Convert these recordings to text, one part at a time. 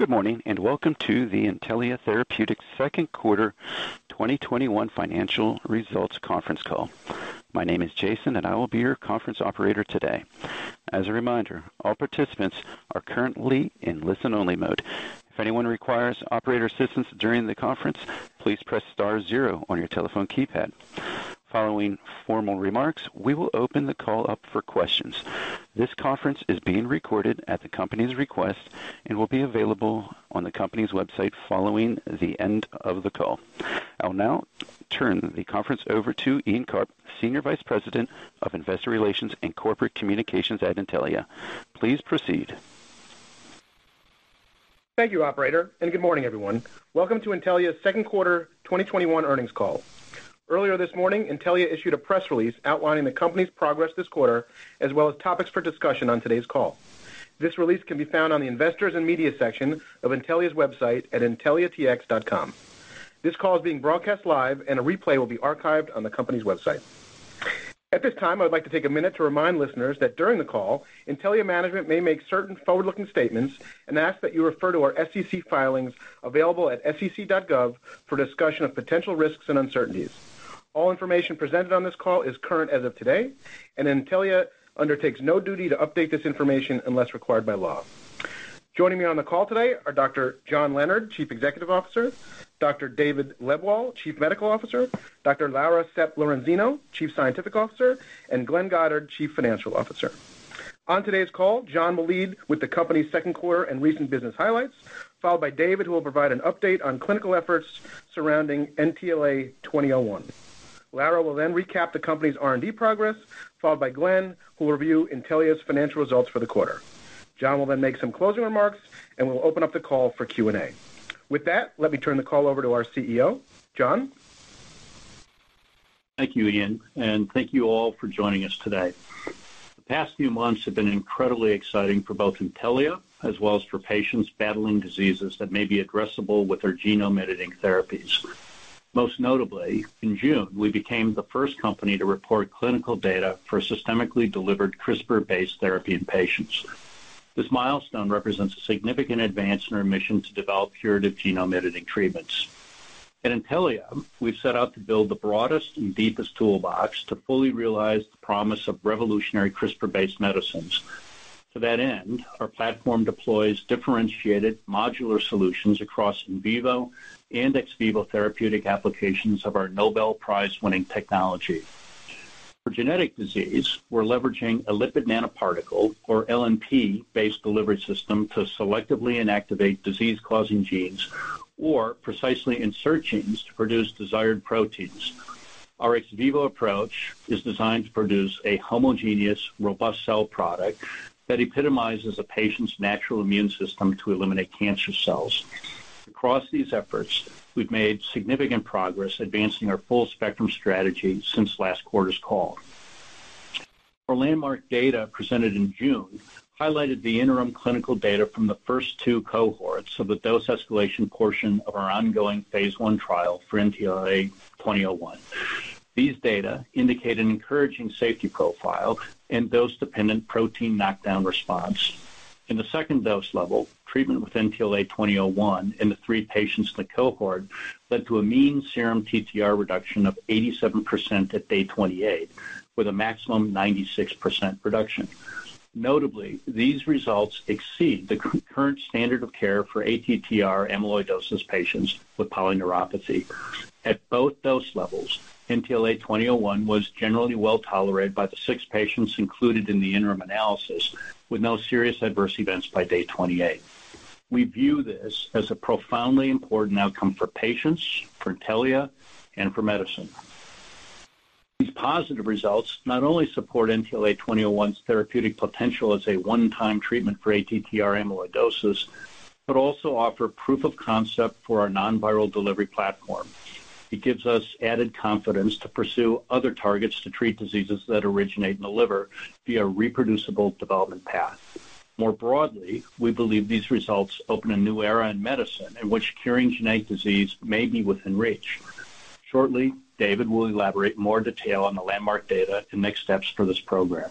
Good morning, welcome to the Intellia Therapeutics Second Quarter 2021 Financial Results Conference Call. My name is Jason, and I will be your conference operator today. As a reminder, all participants are currently in listen-only mode. If anyone requires operator assistance during the conference, please press star zero on your telephone keypad. Following formal remarks, we will open the call up for questions. This conference is being recorded at the company's request and will be available on the company's website following the end of the call. I will now turn the conference over to Ian Karp, Senior Vice President of Investor Relations and Corporate Communications at Intellia. Please proceed. Thank you operator, and good morning, everyone. Welcome to Intellia's Second Quarter 2021 Earnings Call. Earlier this morning, Intellia issued a press release outlining the company's progress this quarter, as well as topics for discussion on today's call. This release can be found on the Investors and Media section of Intellia's website at intelliatx.com. This call is being broadcast live, and a replay will be archived on the company's website. At this time, I would like to take a minute to remind listeners that during the call, Intellia management may make certain forward-looking statements and ask that you refer to our SEC filings available at sec.gov for discussion of potential risks and uncertainties. All information presented on this call is current as of today, and Intellia undertakes no duty to update this information unless required by law. Joining me on the call today are Dr. John Leonard, Chief Executive Officer, Dr. David Lebwohl, Chief Medical Officer, Dr. Laura Sepp-Lorenzino, Chief Scientific Officer, and Glenn Goddard, Chief Financial Officer. On today's call, John will lead with the company's second quarter and recent business highlights, followed by David, who will provide an update on clinical efforts surrounding NTLA-2001. Laura will recap the company's R&D progress, followed by Glenn, who will review Intellia's financial results for the quarter. John will make some closing remarks, and we'll open up the call for Q&A. With that, let me turn the call over to our CEO. John? Thank you, Ian, and thank you all for joining us today. The past few months have been incredibly exciting for both Intellia, as well as for patients battling diseases that may be addressable with our genome editing therapies. Most notably, in June, we became the first company to report clinical data for a systemically delivered CRISPR-based therapy in patients. This milestone represents a significant advance in our mission to develop curative genome editing treatments. At Intellia, we've set out to build the broadest and deepest toolbox to fully realize the promise of revolutionary CRISPR-based medicines. To that end, our platform deploys differentiated modular solutions across in vivo and ex vivo therapeutic applications of our Nobel Prize-winning technology. For genetic disease, we're leveraging a lipid nanoparticle, or LNP-based delivery system, to selectively inactivate disease-causing genes or precisely insert genes to produce desired proteins. Our ex vivo approach is designed to produce a homogeneous, robust cell product that epitomizes a patient's natural immune system to eliminate cancer cells. Across these efforts, we've made significant progress advancing our full spectrum strategy since last quarter's call. Our landmark data presented in June highlighted the interim clinical data from the first two cohorts of the dose escalation portion of our ongoing phase I trial for NTLA-2001. These data indicate an encouraging safety profile and dose-dependent protein knockdown response. In the second dose level, treatment with NTLA-2001 in the three patients in the cohort led to a mean serum TTR reduction of 87% at day 28, with a maximum 96% reduction. Notably, these results exceed the current standard of care for ATTR amyloidosis patients with polyneuropathy. At both dose levels, NTLA-2001 was generally well-tolerated by the six patients included in the interim analysis, with no serious adverse events by day 28. We view this as a profoundly important outcome for patients, for Intellia, and for medicine. These positive results not only support NTLA-2001's therapeutic potential as a one-time treatment for ATTR amyloidosis, but also offer proof of concept for our non-viral delivery platform. It gives us added confidence to pursue other targets to treat diseases that originate in the liver via reproducible development path. More broadly, we believe these results open a new era in medicine in which curing genetic disease may be within reach. Shortly, David will elaborate more detail on the landmark data and next steps for this program.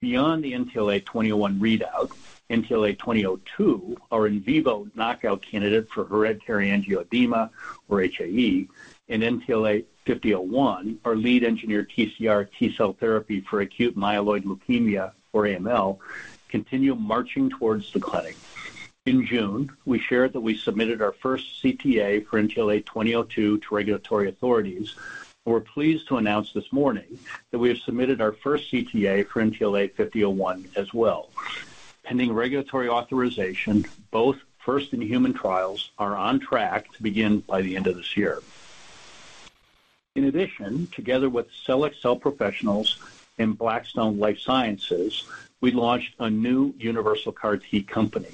Beyond the NTLA-2001 readout, NTLA-2002, our in vivo knockout candidate for hereditary angioedema, or HAE, and NTLA-5001, our lead engineered TCR T-cell therapy for acute myeloid leukemia, or AML, continue marching towards the clinic. In June, we shared that we submitted our first CTA for NTLA-2002 to regulatory authorities, and we're pleased to announce this morning that we have submitted our first CTA for NTLA-5001 as well. Pending regulatory authorization, both first-in-human trials are on track to begin by the end of this year. In addition, together with Cellex Cell Professionals and Blackstone Life Sciences, we launched a new universal CAR T company.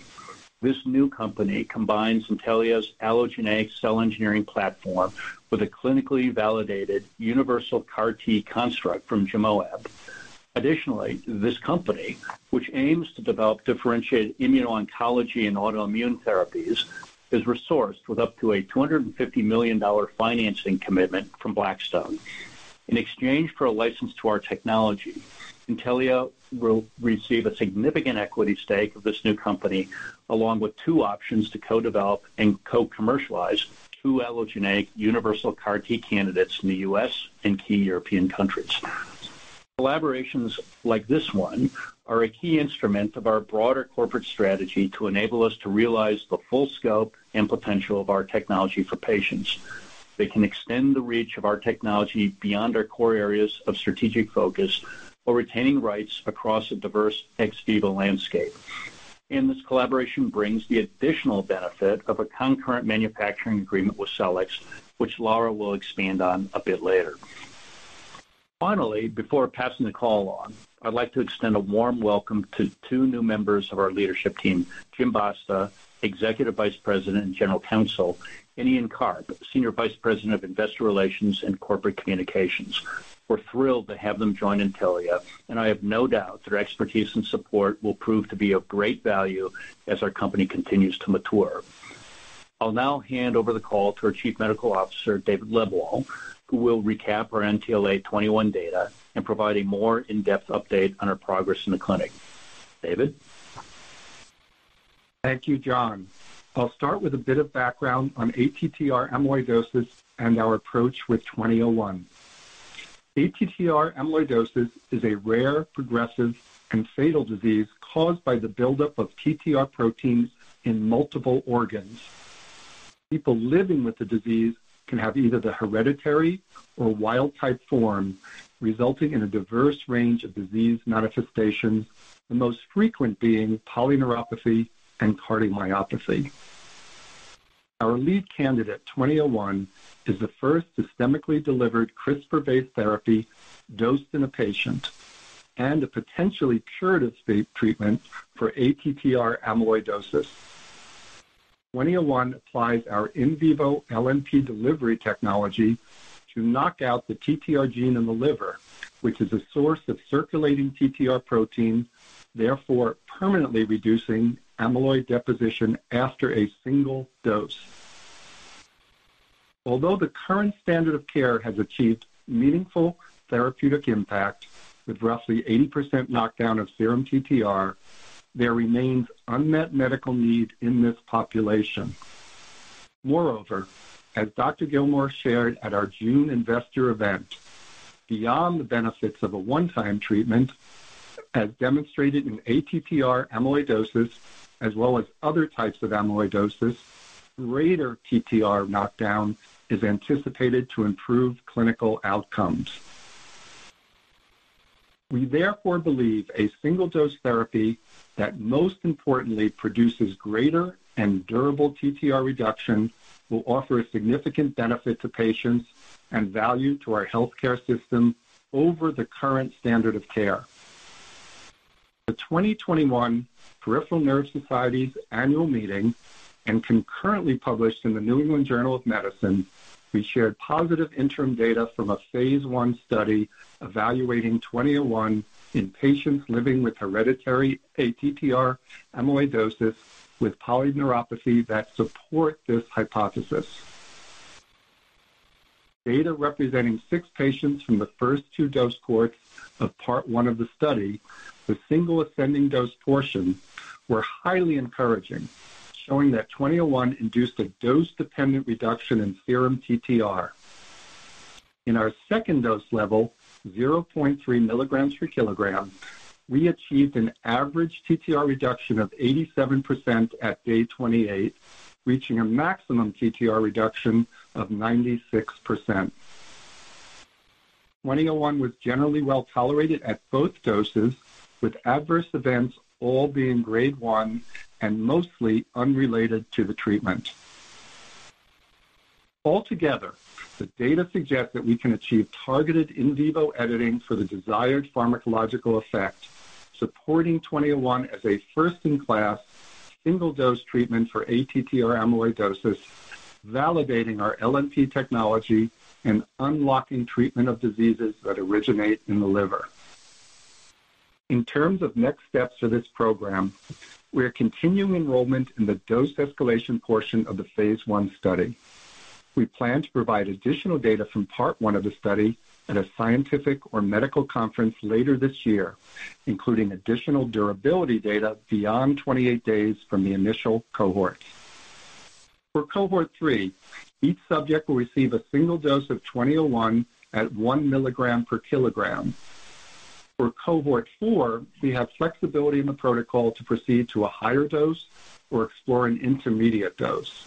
This new company combines Intellia's allogeneic cell engineering platform with a clinically validated universal CAR T construct from GEMoaB. Additionally, this company, which aims to develop differentiated immuno-oncology and autoimmune therapies, is resourced with up to a $250 million financing commitment from Blackstone. In exchange for a license to our technology, Intellia will receive a significant equity stake of this new company, along with two options to co-develop and co-commercialize two allogeneic universal CAR T candidates in the U.S. and key European countries. Collaborations like this one are a key instrument of our broader corporate strategy to enable us to realize the full scope and potential of our technology for patients. They can extend the reach of our technology beyond our core areas of strategic focus while retaining rights across a diverse ex vivo landscape. This collaboration brings the additional benefit of a concurrent manufacturing agreement with Cellex, which Laura will expand on a bit later. Finally, before passing the call on, I'd like to extend a warm welcome to two new members of our leadership team, James Basta, Executive Vice President and General Counsel, and Ian Karp, Senior Vice President of Investor Relations and Corporate Communications. We're thrilled to have them join Intellia, and I have no doubt their expertise and support will prove to be of great value as our company continues to mature. I'll now hand over the call to our Chief Medical Officer, David Lebwohl, who will recap our NTLA-2001 data and provide a more in-depth update on our progress in the clinic. David? Thank you, John. I'll start with a bit of background on ATTR amyloidosis and our approach with 2001. ATTR amyloidosis is a rare, progressive, and fatal disease caused by the buildup of TTR proteins in multiple organs. People living with the disease can have either the hereditary or wild type form, resulting in a diverse range of disease manifestations, the most frequent being polyneuropathy and cardiomyopathy. Our lead candidate, 2001, is the first systemically delivered CRISPR-based therapy dosed in a patient and a potentially curative treatment for ATTR amyloidosis. 2001 applies our in vivo LNP delivery technology to knock out the TTR gene in the liver, which is a source of circulating TTR protein, therefore permanently reducing amyloid deposition after a single dose. Although the current standard of care has achieved meaningful therapeutic impact with roughly 80% knockdown of serum TTR, there remains unmet medical need in this population. As Dr. Gilmore shared at our June investor event, beyond the benefits of a one-time treatment as demonstrated in ATTR amyloidosis, as well as other types of amyloidosis, greater TTR knockdown is anticipated to improve clinical outcomes. We therefore believe a single-dose therapy that most importantly produces greater and durable TTR reduction will offer a significant benefit to patients and value to our healthcare system over the current standard of care. The 2021 Peripheral Nerve Society's annual meeting and concurrently published in "The New England Journal of Medicine," we shared positive interim data from a phase I study evaluating 2001 in patients living with hereditary ATTR amyloidosis with polyneuropathy that support this hypothesis. Data representing six patients from the first two dose cohorts of part one of the study, the single ascending dose portion, were highly encouraging, showing that 2001 induced a dose-dependent reduction in serum TTR. In our second dose level, 0.3 mg/kg, we achieved an average TTR reduction of 87% at day 28, reaching a maximum TTR reduction of 96%. 2001 was generally well-tolerated at both doses, with adverse events all being grade one and mostly unrelated to the treatment. Altogether, the data suggest that we can achieve targeted in vivo editing for the desired pharmacological effect, supporting 2001 as a first-in-class single-dose treatment for ATTR amyloidosis, validating our LNP technology and unlocking treatment of diseases that originate in the liver. In terms of next steps for this program, we are continuing enrollment in the dose escalation portion of the phase I study. We plan to provide additional data from part one of the study at a scientific or medical conference later this year, including additional durability data beyond 28 days from the initial cohort. For cohort three, each subject will receive a single dose of 2001 at 1 mg/kg. For cohort four, we have flexibility in the protocol to proceed to a higher dose or explore an intermediate dose.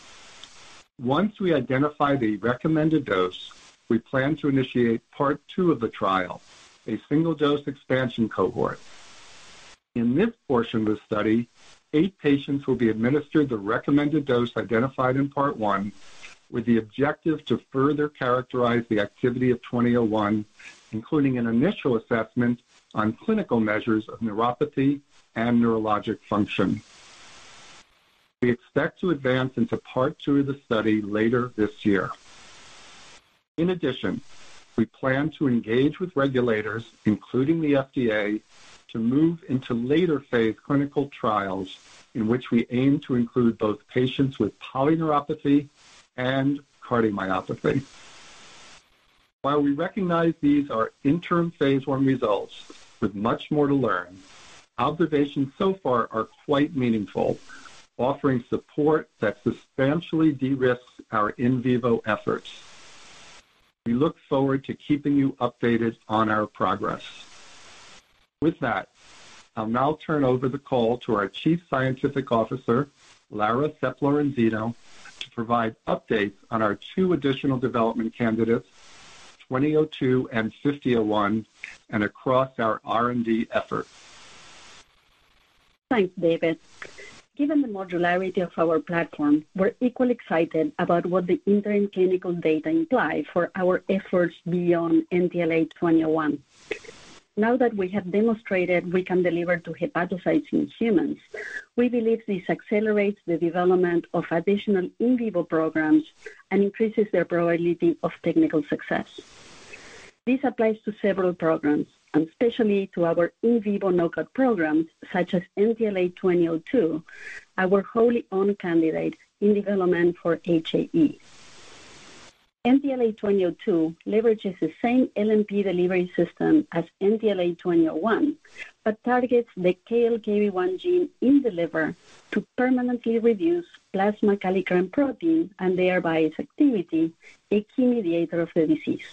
Once we identify the recommended dose, we plan to initiate part two of the trial, a single dose expansion cohort. In this portion of the study, eight patients will be administered the recommended dose identified in part one with the objective to further characterize the activity of 2001, including an initial assessment on clinical measures of neuropathy and neurologic function. We expect to advance into part two of the study later this year. In addition, we plan to engage with regulators, including the FDA, to move into later-phase clinical trials in which we aim to include both patients with polyneuropathy and cardiomyopathy. While we recognize these are interim phase I results with much more to learn, observations so far are quite meaningful, offering support that substantially de-risks our in vivo efforts. We look forward to keeping you updated on our progress. With that, I'll now turn over the call to our Chief Scientific Officer, Laura Sepp-Lorenzino, to provide updates on our two additional development candidates, 2002 and 5001, and across our R&D efforts. Thanks, David. Given the modularity of our platform, we're equally excited about what the interim clinical data imply for our efforts beyond NTLA-2001. Now that we have demonstrated we can deliver to hepatocytes in humans, we believe this accelerates the development of additional in vivo programs and increases their probability of technical success. This applies to several programs, and especially to our in vivo knockout programs, such as NTLA-2002, our wholly owned candidate in development for HAE. NTLA-2002 leverages the same LNP delivery system as NTLA-2001, but targets the KLKB1 gene in the liver to permanently reduce plasma kallikrein protein and thereby its activity, a key mediator of the disease.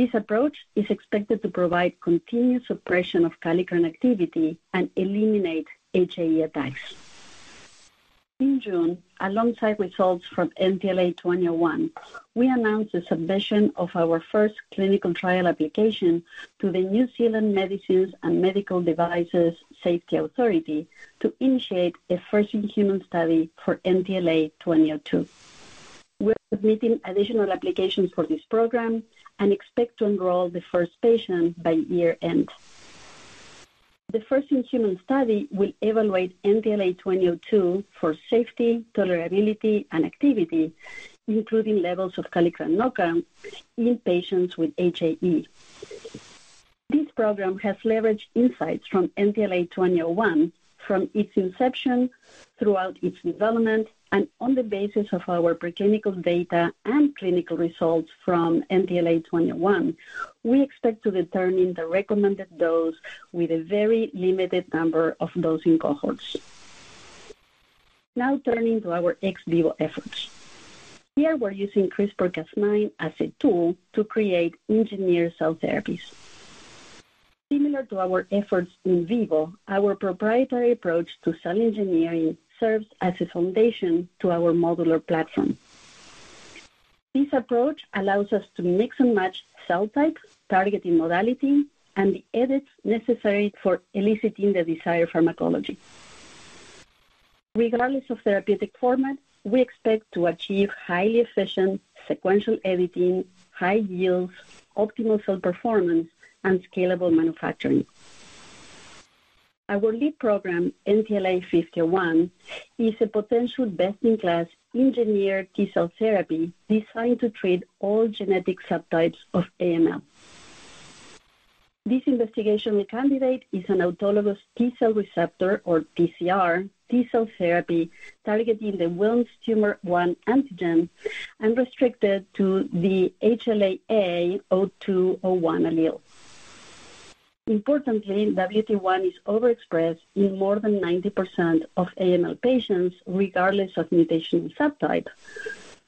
This approach is expected to provide continuous suppression of kallikrein activity and eliminate HAE attacks. In June, alongside results from NTLA-2001, we announced the submission of our first clinical trial application to the New Zealand Medicines and Medical Devices Safety Authority to initiate a first-in-human study for NTLA-2002. We're submitting additional applications for this program and expect to enroll the first patient by year-end. The first-in-human study will evaluate NTLA-2002 for safety, tolerability, and activity, including levels of kallikrein knockout in patients with HAE. This program has leverages insights from NTLA-2001 from its inception throughout its development. On the basis of our preclinical data and clinical results from NTLA-2001, we expect to determine the recommended dose with a very limited number of dosing cohorts. Now turning to our ex vivo efforts. Here we're using CRISPR/Cas9 as a tool to create engineered cell therapies. Similar to our efforts in vivo, our proprietary approach to cell engineering serves as a foundation to our modular platform. This approach allows us to mix and match cell types, targeting modality, and the edits necessary for eliciting the desired pharmacology. Regardless of therapeutic format, we expect to achieve highly efficient sequential editing, high yields, optimal cell performance, and scalable manufacturing. Our lead program, NTLA-5001, is a potential best-in-class engineered T-cell therapy designed to treat all genetic subtypes of AML. This investigational candidate is an autologous T-cell receptor, or TCR, T-cell therapy targeting the Wilms' tumor one antigen and restricted to the HLA-A*02:01 allele. Importantly, WT1 is overexpressed in more than 90% of AML patients, regardless of mutation subtype,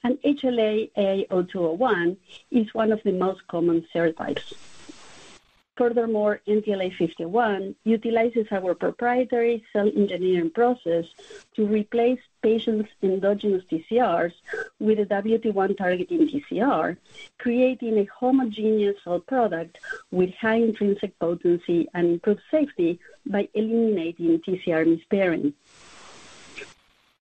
and HLA-A*02:01 is one of the most common serotypes. Furthermore, NTLA-5001 utilizes our proprietary cell engineering process to replace patients' endogenous TCRs with a WT1-targeting TCR, creating a homogeneous cell product with high intrinsic potency and improved safety by eliminating TCR mispairing.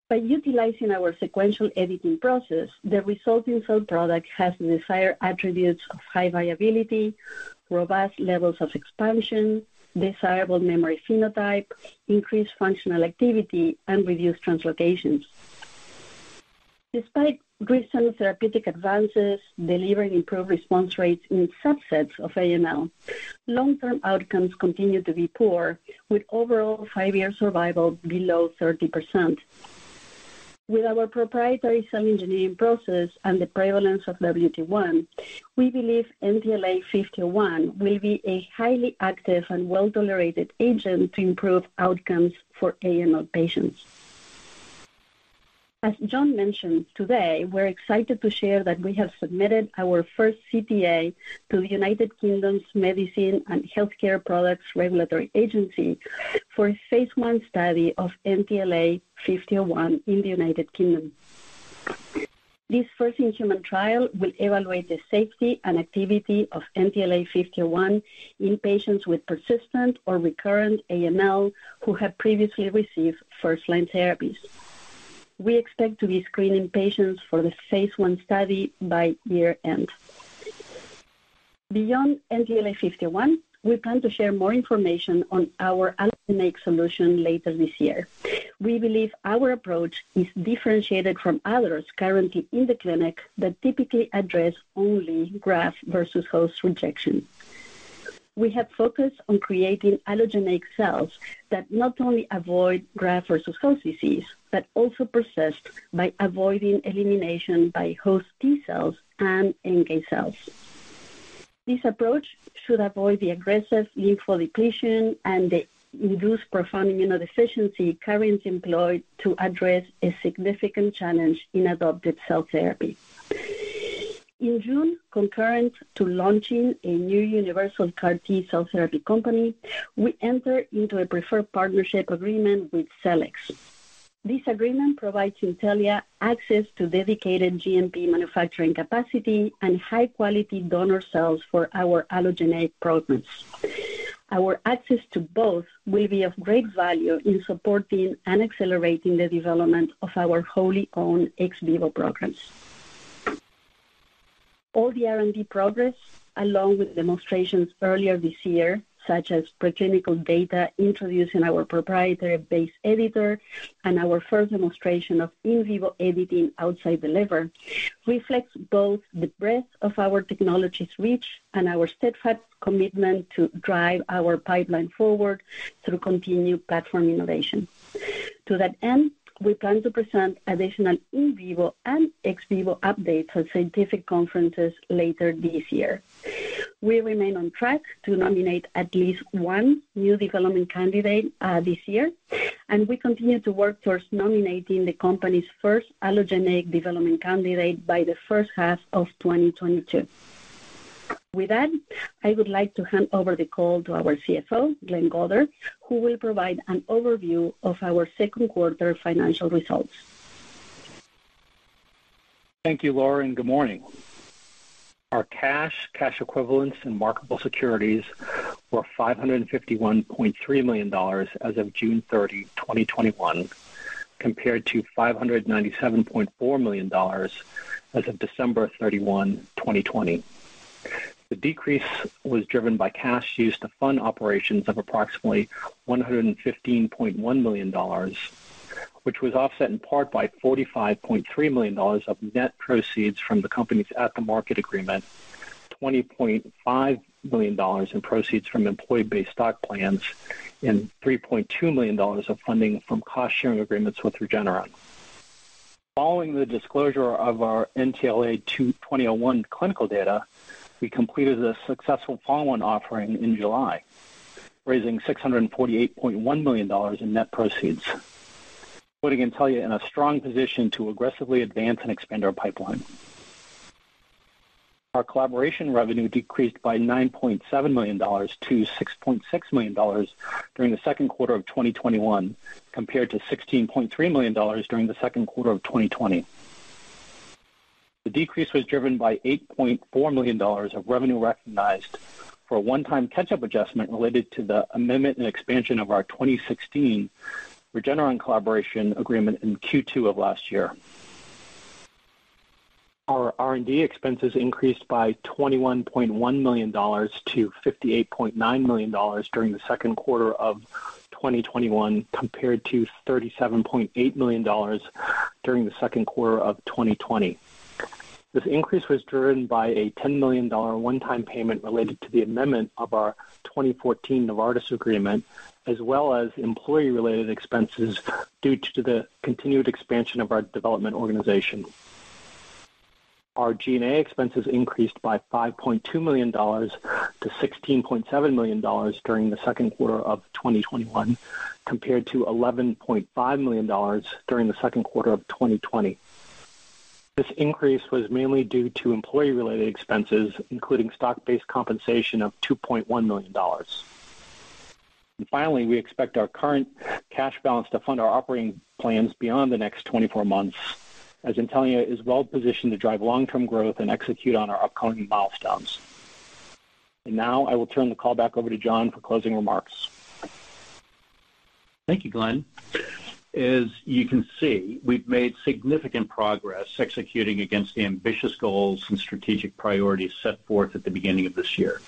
By utilizing our sequential editing process, the resulting cell product has the desired attributes of high viability, robust levels of expansion, desirable memory phenotype, increased functional activity, and reduced translocations. Despite recent therapeutic advances delivering improved response rates in subsets of AML, long-term outcomes continue to be poor, with overall five-year survival below 30%. With our proprietary cell engineering process and the prevalence of WT1, we believe NTLA-5001 will be a highly active and well-tolerated agent to improve outcomes for AML patients. As John mentioned today, we're excited to share that we have submitted our first CTA to the United Kingdom's Medicines and Healthcare products Regulatory Agency for a phase I study of NTLA-5001 in the United Kingdom. This first-in-human trial will evaluate the safety and activity of NTLA-5001 in patients with persistent or recurrent AML who have previously received first-line therapies. We expect to be screening patients for this phase I study by year-end. Beyond NTLA-5001, we plan to share more information on our allogeneic solution later this year. We believe our approach is differentiated from others currently in the clinic that typically address only graft versus host rejection. We have focused on creating allogeneic cells that not only avoid graft-versus-host disease, but also persist by avoiding elimination by host T-cells and NK cells. This approach should avoid the aggressive lymph depletion and the induced profound immunodeficiency currently employed to address a significant challenge in adoptive cell therapy. In June, concurrent to launching a new universal CAR T-cell therapy company, we entered into a preferred partnership agreement with Cellex. This agreement provides Intellia access to dedicated GMP manufacturing capacity and high-quality donor cells for our allogeneic programs. Our access to both will be of great value in supporting and accelerating the development of our wholly owned ex vivo programs. All the R&D progress, along with demonstrations earlier this year, such as preclinical data introducing our proprietary base editor and our first demonstration of in vivo editing outside the liver, reflects both the breadth of our technology's reach and our steadfast commitment to drive our pipeline forward through continued platform innovation. To that end, we plan to present additional in vivo and ex vivo updates at scientific conferences later this year. We remain on track to nominate at least one new development candidate this year, and we continue to work towards nominating the company's first allogeneic development candidate by the first half of 2022. With that, I would like to hand over the call to our CFO, Glenn Goddard, who will provide an overview of our second quarter financial results. Thank you, Laura, and good morning. Our cash equivalents, and marketable securities were $551.3 million as of June 30, 2021, compared to $597.4 million as of December 31, 2020. The decrease was driven by cash used to fund operations of approximately $115.1 million, which was offset in part by $45.3 million of net proceeds from the company's at-the-market agreement, $20.5 million in proceeds from employee-based stock plans, and $3.2 million of funding from cost-sharing agreements with Regeneron. Following the disclosure of our NTLA-2001 clinical data, we completed a successful follow-on offering in July, raising $648.1 million in net proceeds, putting Intellia in a strong position to aggressively advance and expand our pipeline. Our collaboration revenue decreased by $9.7 million to $6.6 million during the second quarter of 2021, compared to $16.3 million during the second quarter of 2020. The decrease was driven by $8.4 million of revenue recognized for a one-time catch-up adjustment related to the amendment and expansion of our 2016 Regeneron collaboration agreement in Q2 of last year. Our R&D expenses increased by $21.1 million to $58.9 million during the second quarter of 2021, compared to $37.8 million during the second quarter of 2020. This increase was driven by a $10 million one-time payment related to the amendment of our 2014 Novartis agreement, as well as employee-related expenses due to the continued expansion of our development organization. Our G&A expenses increased by $5.2 million to $16.7 million during the second quarter of 2021, compared to $11.5 million during the second quarter of 2020. This increase was mainly due to employee-related expenses, including stock-based compensation of $2.1 million. Finally, we expect our current cash balance to fund our operating plans beyond the next 24 months, as Intellia is well positioned to drive long-term growth and execute on our upcoming milestones. Now I will turn the call back over to John for closing remarks. Thank you, Glenn. As you can see, we've made significant progress executing against the ambitious goals and strategic priorities set forth at the beginning of this year.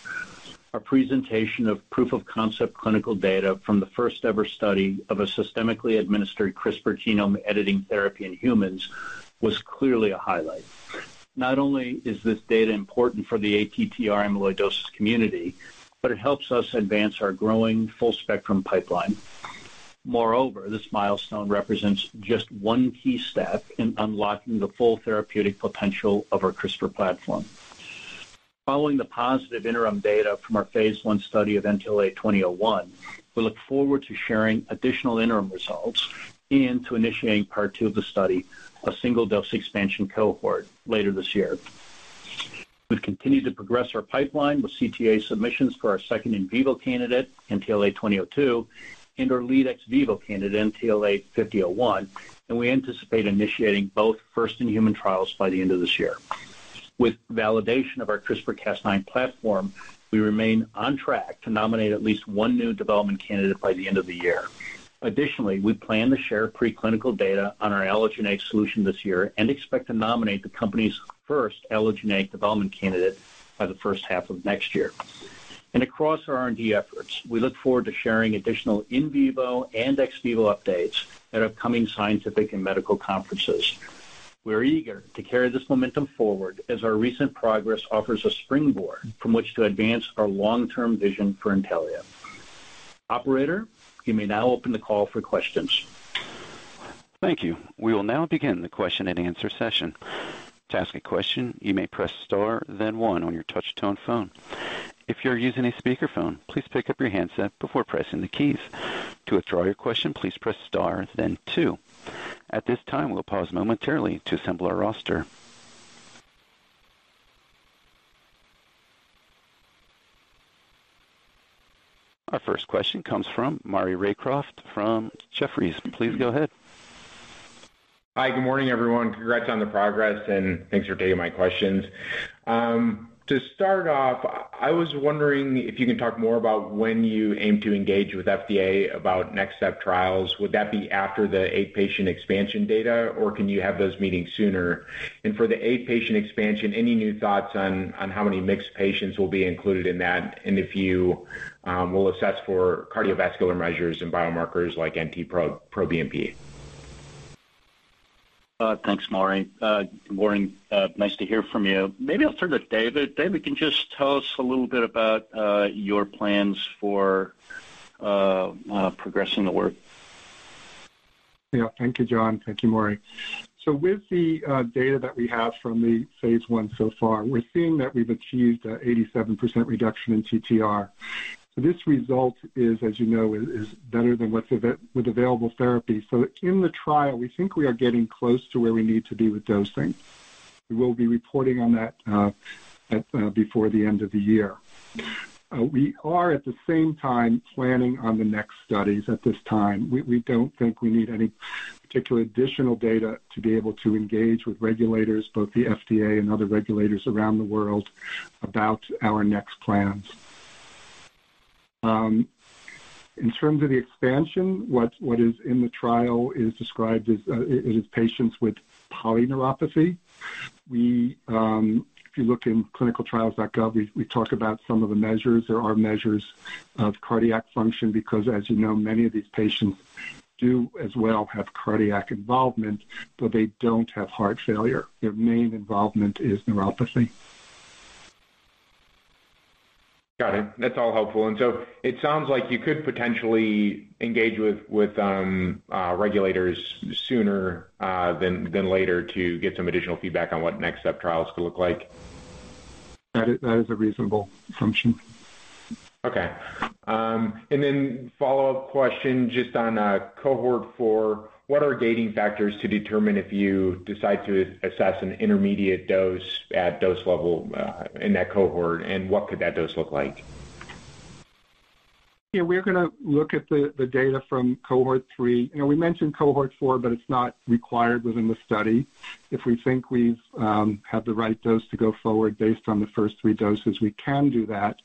Our presentation of proof-of-concept clinical data from the first-ever study of a systemically administered CRISPR genome editing therapy in humans was clearly a highlight. Not only is this data important for the ATTR amyloidosis community, but it helps us advance our growing full-spectrum pipeline. Moreover, this milestone represents just one key step in unlocking the full therapeutic potential of our CRISPR platform. Following the positive interim data from our phase I study of NTLA-2001, we look forward to sharing additional interim results and to initiating part two of the study, a single-dose expansion cohort, later this year. We've continued to progress our pipeline with CTA submissions for our second in vivo candidate, NTLA-2002, and our lead ex vivo candidate, NTLA-5001, and we anticipate initiating both first-in-human trials by the end of this year. With validation of our CRISPR/Cas9 platform, we remain on track to nominate at least one new development candidate by the end of the year. Additionally, we plan to share preclinical data on our allogeneic solution this year and expect to nominate the company's first allogeneic development candidate by the first half of next year. Across our R&D efforts, we look forward to sharing additional in vivo and ex vivo updates at upcoming scientific and medical conferences. We're eager to carry this momentum forward as our recent progress offers a springboard from which to advance our long-term vision for Intellia. Operator, you may now open the call for questions. Thank you. We will now begin the question and answer session. To ask a question, you may press star then one on your touchtone phone. If your're using a speakerphone, please pick up your handset before pressing the keys. To withdraw your question, please press star then two. At this time, we'll pause momentarily to assemble our roster. Our first question comes from Maury Raycroft from Jefferies. Please go ahead. Hi. Good morning, everyone. Congrats on the progress, and thanks for taking my questions. To start off, I was wondering if you can talk more about when you aim to engage with FDA about next step trials. Would that be after the eight-patient expansion data, or can you have those meetings sooner? For the eight-patient expansion, any new thoughts on how many mixed patients will be included in that, and if you will assess for cardiovascular measures and biomarkers like NT-proBNP? Thanks, Maury. Good morning. Nice to hear from you. Maybe I'll turn to David. David, can you just tell us a little bit about your plans for progressing the work? Thank you, John. Thank you, Maury. With the data that we have from the phase I so far, we're seeing that we've achieved a 87% reduction in TTR. This result is, as you know, is better than with available therapy. In the trial, we think we are getting close to where we need to be with dosing. We will be reporting on that before the end of the year. We are, at the same time, planning on the next studies. At this time, we don't think we need any particular additional data to be able to engage with regulators, both the FDA and other regulators around the world, about our next plans. In terms of the expansion, what is in the trial is patients with polyneuropathy. If you look in clinicaltrials.gov, we talk about some of the measures. There are measures of cardiac function because, as you know, many of these patients do as well have cardiac involvement, but they don't have heart failure. Their main involvement is neuropathy. Got it. That's all helpful. It sounds like you could potentially engage with regulators sooner than later to get some additional feedback on what next step trials could look like. That is a reasonable assumption. Okay. Follow-up question just on cohort four, what are gating factors to determine if you decide to assess an intermediate dose at dose level in that cohort, and what could that dose look like? Yeah, we're going to look at the data from cohort three. We mentioned cohort four, but it's not required within the study. If we think we've had the right dose to go forward based on the first three doses, we can do that.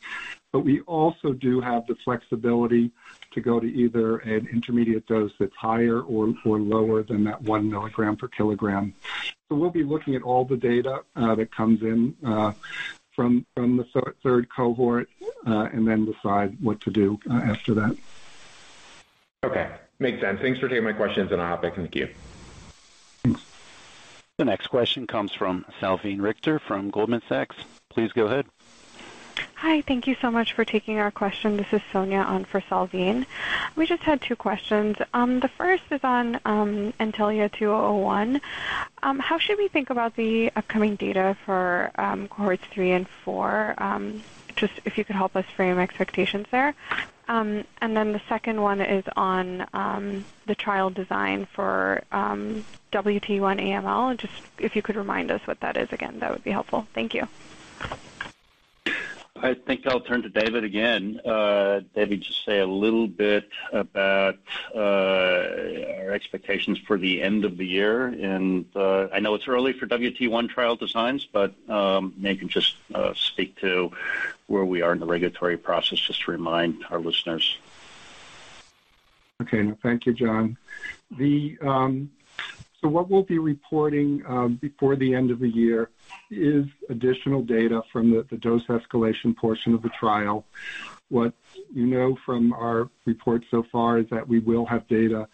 We also do have the flexibility to go to either an intermediate dose that's higher or lower than that 1 mg/kg. We'll be looking at all the data that comes in from the third cohort, and then decide what to do after that. Okay. Makes sense. Thanks for taking my questions, and I'll hop back in the queue. Thanks. The next question comes from Salveen Richter from Goldman Sachs. Please go ahead. Hi. Thank you so much for taking our question. This is Sonia on for Salveen. We just had two questions. The first is on NTLA-2001. How should we think about the upcoming data for cohorts three and four? Just if you could help us frame expectations there. The second one is on the trial design for WT1 AML, and just if you could remind us what that is again, that would be helpful. Thank you. I think I'll turn to David again. David, just say a little bit about our expectations for the end of the year and I know it's early for WT1 trial designs, but maybe you can just speak to where we are in the regulatory process just to remind our listeners. Okay. No, thank you, John. What we'll be reporting before the end of the year is additional data from the dose escalation portion of the trial. What you know from our report so far is that we will have data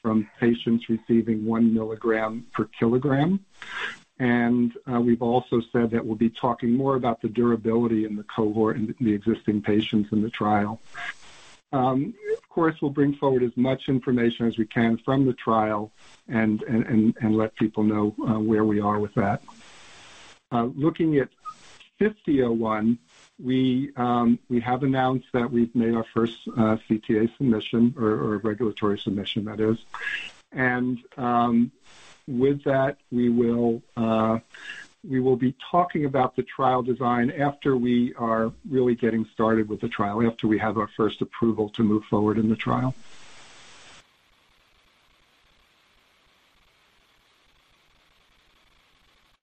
from patients receiving 1 mg/kg. We've also said that we'll be talking more about the durability in the cohort in the existing patients in the trial. Of course, we'll bring forward as much information as we can from the trial and let people know where we are with that. Looking at NTLA-5001, we have announced that we've made our first CTA submission or regulatory submission, that is. With that, we will be talking about the trial design after we are really getting started with the trial, after we have our first approval to move forward in the trial.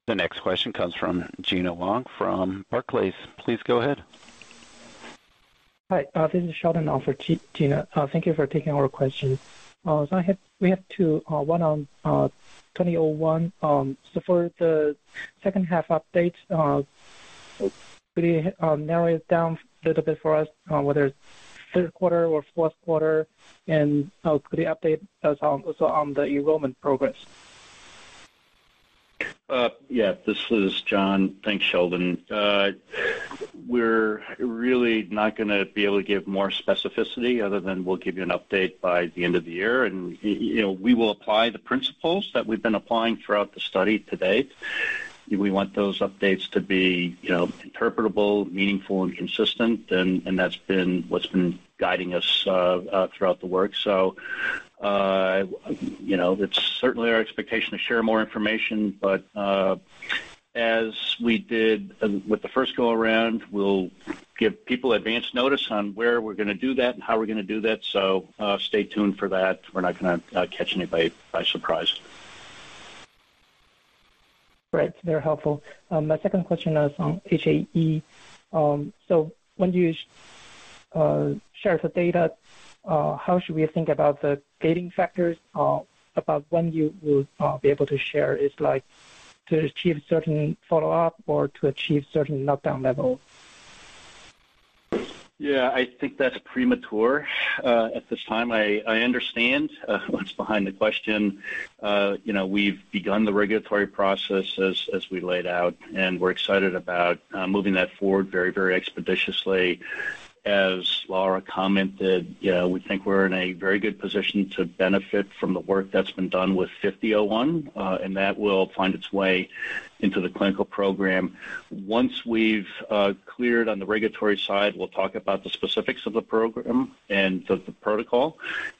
The next question comes from Gena Wang from Barclays. Please go ahead. Hi. This is Sheldon on for Gena. Thank you for taking our question. We have two, one on 2001. For the second half update. Could you narrow it down a little bit for us, whether it's third quarter or fourth quarter, and could you update us also on the enrollment progress? Yeah. This is John. Thanks, Sheldon. We're really not going to be able to give more specificity other than we'll give you an update by the end of the year. We will apply the principles that we've been applying throughout the study to date. We want those updates to be interpretable, meaningful, and consistent, and that's been what's been guiding us throughout the work. It's certainly our expectation to share more information, but as we did with the first go-around, we'll give people advanced notice on where we're going to do that and how we're going to do that. Stay tuned for that. We're not going to catch anybody by surprise. Right. Very helpful. My second question is on HAE. When you share the data, how should we think about the gating factors about when you will be able to share? Is it like to achieve certain follow-up or to achieve certain knockdown level? Yeah, I think that's premature. At this time, I understand what's behind the question. We've begun the regulatory process as we laid out. We're excited about moving that forward very, very expeditiously. As Laura commented, we think we're in a very good position to benefit from the work that's been done with NTLA-5001. That will find its way into the clinical program. Once we've cleared on the regulatory side, we'll talk about the specifics of the program and the protocol.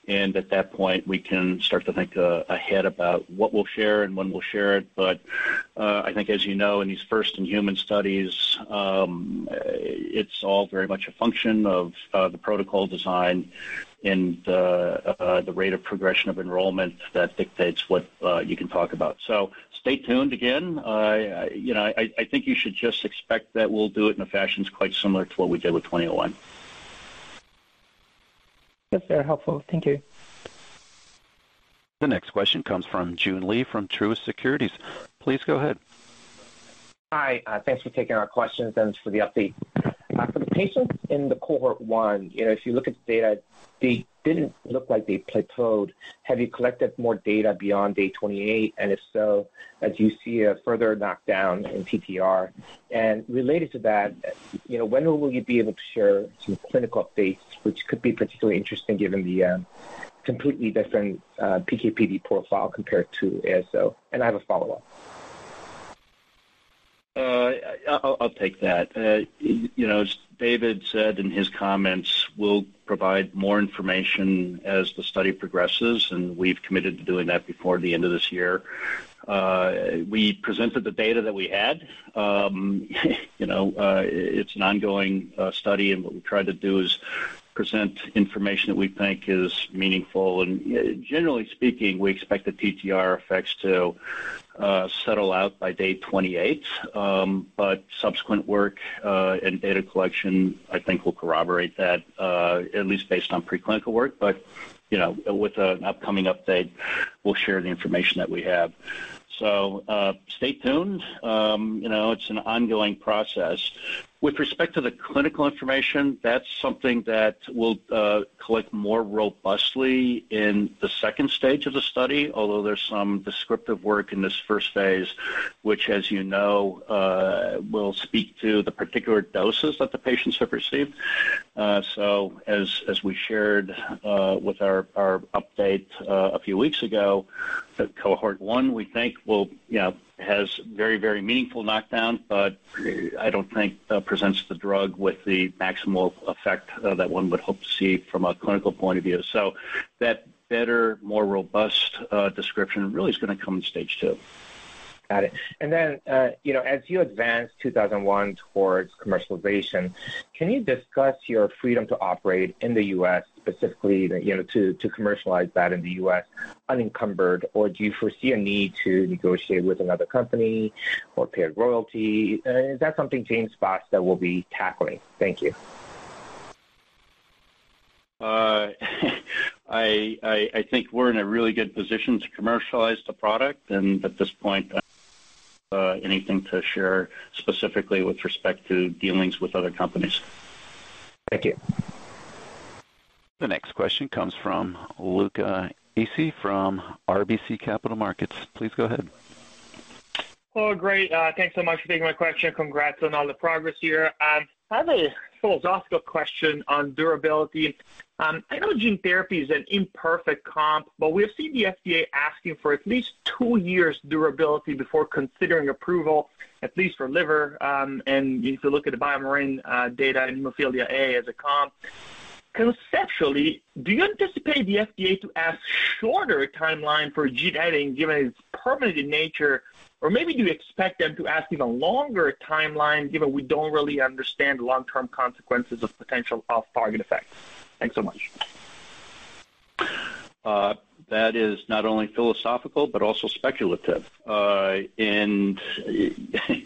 At that point, we can start to think ahead about what we'll share and when we'll share it. I think, as you know, in these first-in-human studies, it's all very much a function of the protocol design and the rate of progression of enrollment that dictates what you can talk about. Stay tuned, again. I think you should just expect that we'll do it in a fashion that's quite similar to what we did with 2001. That's very helpful. Thank you. The next question comes from Joon Lee from Truist Securities. Please go ahead. Hi. Thanks for taking our questions and for the update. For the patients in the cohort one, if you look at the data, they didn't look like they plateaued. Have you collected more data beyond day 28? If so, do you see a further knockdown in TTR? Related to that, when will you be able to share some clinical updates, which could be particularly interesting given the completely different PK/PD profile compared to ASO? I have a follow-up. I'll take that. As David said in his comments, we'll provide more information as the study progresses, and we've committed to doing that before the end of this year. We presented the data that we had. It's an ongoing study, and what we try to do is present information that we think is meaningful. Generally speaking, we expect the TTR effects to settle out by day 28. Subsequent work and data collection, I think, will corroborate that, at least based on pre-clinical work. With an upcoming update, we'll share the information that we have. Stay tuned. It's an ongoing process. With respect to the clinical information, that's something that we'll collect more robustly in the second stage of the study, although there's some descriptive work in this first phase, which, as you know, will speak to the particular doses that the patients have received. As we shared with our update a few weeks ago, cohort one, we think, has very, very meaningful knockdown, but I don't think presents the drug with the maximal effect that one would hope to see from a clinical point of view. That better, more robust description really is going to come in stage two. Got it. Then as you advance NTLA-2001 towards commercialization, can you discuss your freedom to operate in the U.S. specifically to commercialize that in the U.S. unencumbered, or do you foresee a need to negotiate with another company or pay a royalty? Is that something James Basta will be tackling? Thank you. I think we're in a really good position to commercialize the product, and at this point, anything to share specifically with respect to dealings with other companies. Thank you. The next question comes from Luca Issi from RBC Capital Markets. Please go ahead. Oh, great. Thanks so much for taking my question. Congrats on all the progress here. I have a philosophical question on durability. I know gene therapy is an imperfect comp, but we have seen the FDA asking for at least two years' durability before considering approval, at least for liver, and you need to look at the BioMarin data in hemophilia A as a comp. Conceptually, do you anticipate the FDA to ask shorter timeline for gene editing, given its permanent nature? Maybe do you expect them to ask even longer timeline, given we don't really understand the long-term consequences of potential off-target effects? Thanks so much. That is not only philosophical, but also speculative. I think, in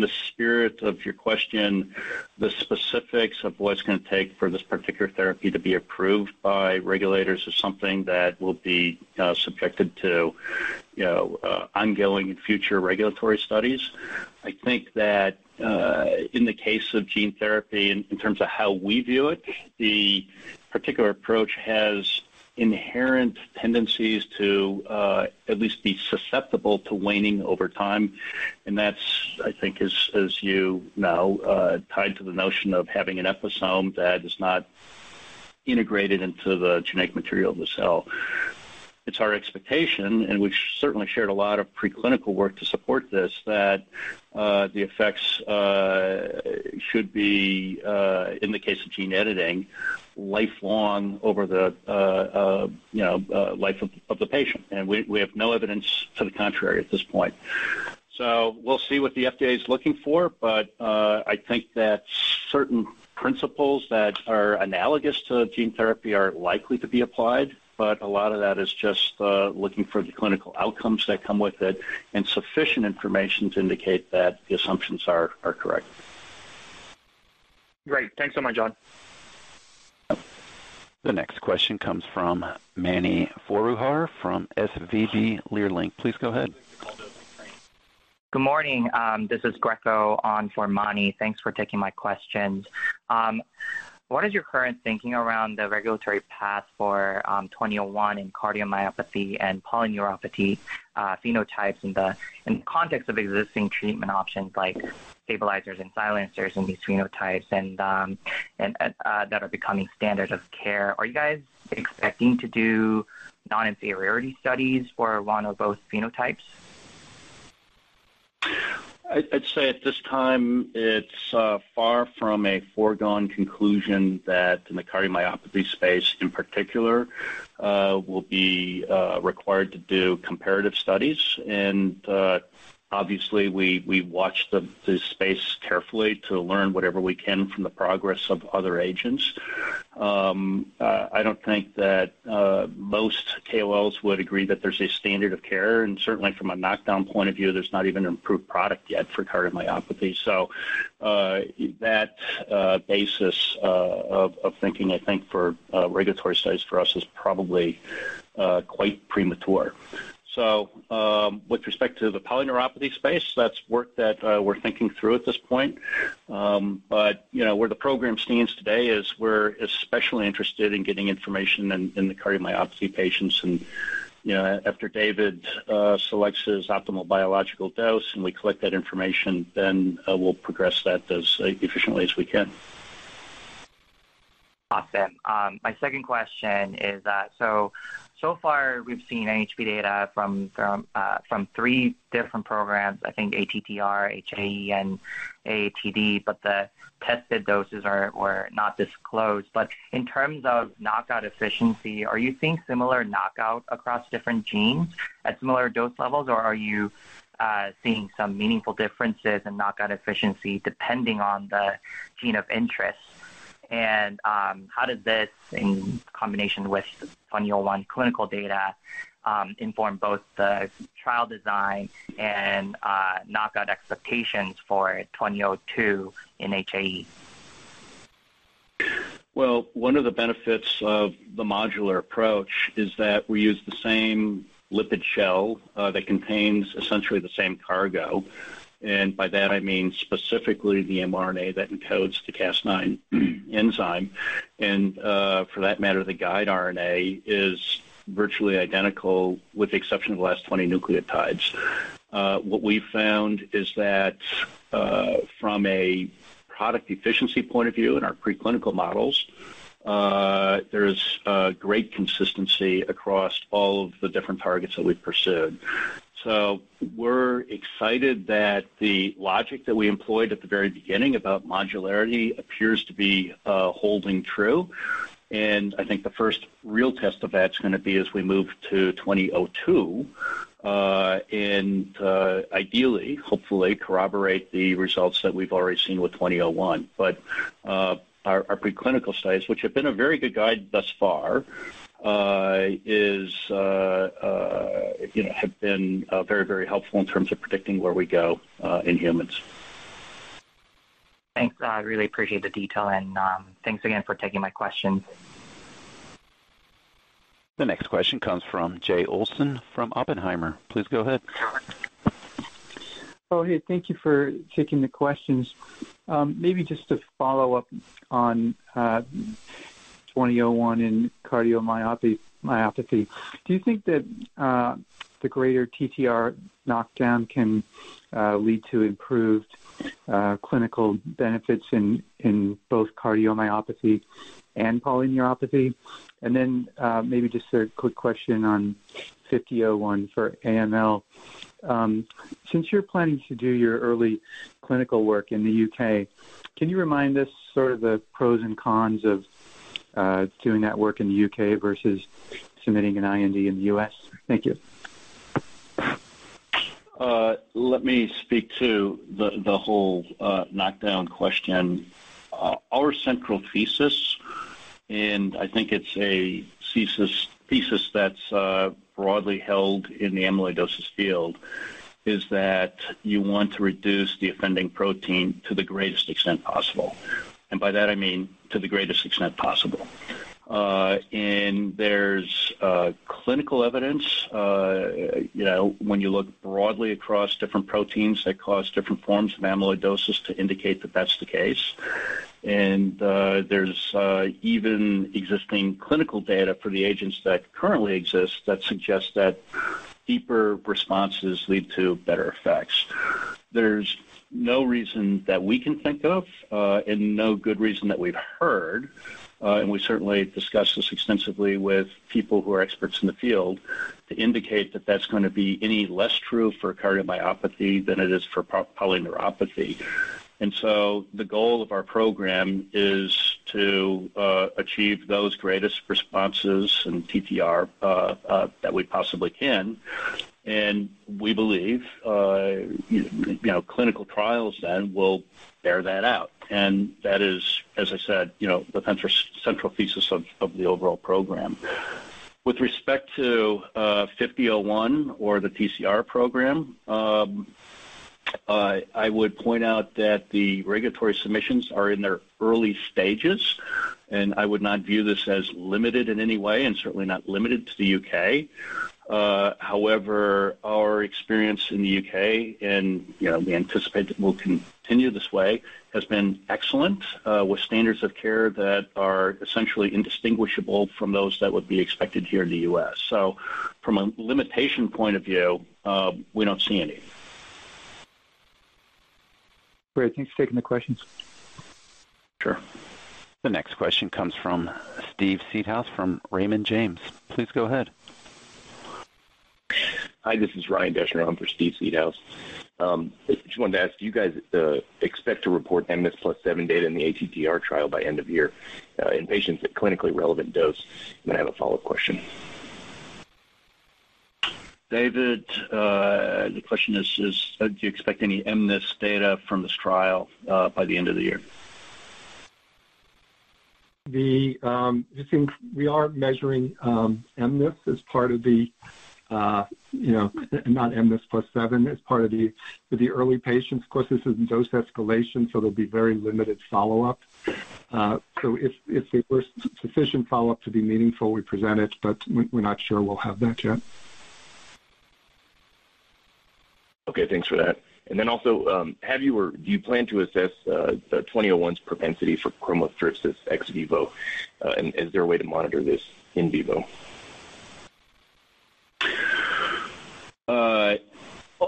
the spirit of your question, the specifics of what it's going to take for this particular therapy to be approved by regulators is something that will be subjected to ongoing future regulatory studies. I think that, in the case of gene therapy, in terms of how we view it, the particular approach has inherent tendencies to at least be susceptible to waning over time, and that's, I think, as you know, tied to the notion of having an episome that is not integrated into the genetic material of the cell. It's our expectation, and we've certainly shared a lot of preclinical work to support this, that the effects should be, in the case of gene editing, lifelong over the life of the patient, and we have no evidence to the contrary at this point. We'll see what the FDA is looking for, but I think that certain principles that are analogous to gene therapy are likely to be applied, but a lot of that is just looking for the clinical outcomes that come with it and sufficient information to indicate that the assumptions are correct. Great. Thanks so much, John. The next question comes from Mani Foroohar from SVB Leerink. Please go ahead. Good morning. This is Greco on for Mani. Thanks for taking my questions. What is your current thinking around the regulatory path for 2001 in cardiomyopathy and polyneuropathy phenotypes in the context of existing treatment options like stabilizers and silencers in these phenotypes that are becoming standard of care. Are you guys expecting to do non-inferiority studies for one or both phenotypes? I'd say at this time, it's far from a foregone conclusion that in the cardiomyopathy space, in particular, we'll be required to do comparative studies. Obviously, we watch the space carefully to learn whatever we can from the progress of other agents. I don't think that most KOLs would agree that there's a standard of care, and certainly from a knockdown point of view, there's not even an approved product yet for cardiomyopathy. That basis of thinking, I think for regulatory studies for us is probably quite premature. With respect to the polyneuropathy space, that's work that we're thinking through at this point. Where the program stands today is we're especially interested in getting information in the cardiomyopathy patients, and after David selects his optimal biological dose and we collect that information, we'll progress that as efficiently as we can. Awesome. My second question is, so far we've seen NHP data from thtree different programs, I think ATTR, HAE, and AATD, but the tested doses were not disclosed. In terms of knockout efficiency, are you seeing similar knockout across different genes at similar dose levels, or are you seeing some meaningful differences in knockout efficiency depending on the gene of interest? How does this, in combination with 2001 clinical data, inform both the trial design and knockout expectations for 2002 in HAE? Well, one of the benefits of the modular approach is that we use the same lipid shell that contains essentially the same cargo, and by that I mean specifically the mRNA that encodes the Cas9 enzyme, and for that matter, the guide RNA is virtually identical with the exception of the last 20 nucleotides. What we've found is that from a product efficiency point of view in our preclinical models, there's great consistency across all of the different targets that we've pursued. We're excited that the logic that we employed at the very beginning about modularity appears to be holding true, and I think the first real test of that's going to be as we move to 2002, and ideally, hopefully corroborate the results that we've already seen with 2001. Our preclinical studies, which have been a very good guide thus far, have been very helpful in terms of predicting where we go in humans. Thanks. I really appreciate the detail, and thanks again for taking my questions. The next question comes from Jay Olson from Oppenheimer. Please go ahead. Oh, hey. Thank you for taking the questions. Maybe just to follow up on NTLA-2001 in cardiomyopathy, do you think that the greater TTR knockdown can lead to improved clinical benefits in both cardiomyopathy and polyneuropathy? Maybe just a quick question on NTLA-5001 for AML. Since you're planning to do your early clinical work in the U.K., can you remind us sort of the pros and cons of doing that work in the U.K. versus submitting an IND in the U.S.? Thank you. Let me speak to the whole knockdown question. Our central thesis. I think it's a thesis that's broadly held in the amyloidosis field, is that you want to reduce the offending protein to the greatest extent possible. By that I mean to the greatest extent possible. There's clinical evidence, when you look broadly across different proteins that cause different forms of amyloidosis to indicate that that's the case. There's even existing clinical data for the agents that currently exist that suggests that deeper responses lead to better effects. There's no reason that we can think of, and no good reason that we've heard, and we certainly discuss this extensively with people who are experts in the field, to indicate that that's going to be any less true for cardiomyopathy than it is for polyneuropathy. The goal of our program is to achieve those greatest responses and TTR that we possibly can. We believe clinical trials then will bear that out. That is, as I said, the central thesis of the overall program. With respect to 5001 or the TCR program, I would point out that the regulatory submissions are in their early stages, and I would not view this as limited in any way, and certainly not limited to the U.K. However, our experience in the U.K., and we anticipate that will continue this way, has been excellent, with standards of care that are essentially indistinguishable from those that would be expected here in the U.S. From a limitation point of view, we don't see any. Great. Thanks for taking the questions. Sure. The next question comes from Steve Seedhouse from Raymond James. Please go ahead. Hi, this is Ryan Deschner in for Steve Seedhouse. Just wanted to ask, do you guys expect to report mNIS+7 data in the ATTR trial by end of year in patients at clinically relevant dose? I have a follow-up question. David, the question is, do you expect any mNIS data from this trial by the end of the year? We are measuring mNIS as part of the, not mNIS+7, as part of the early patients. Of course, this is in dose escalation, so there'll be very limited follow-up. If there was sufficient follow-up to be meaningful, we'd present it, but we're not sure we'll have that yet. Okay, thanks for that. Also, have you or do you plan to assess 2001's propensity for chromothripsis ex vivo? Is there a way to monitor this in vivo?